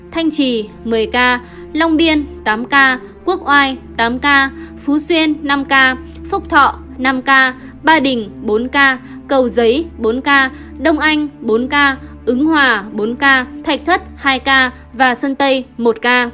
thanh trì một mươi ca long biên tám ca quốc oai tám ca phú xuyên năm ca phúc thọ năm ca ba đình bốn ca cầu giấy bốn ca đông anh bốn ca ứng hòa bốn ca thạch thất hai ca và sơn tây một ca